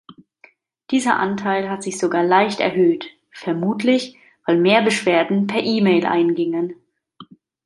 Dieser Anteil hat sich sogar leicht erhöht, vermutlich, weil mehr Beschwerden per E-Mail eingingen.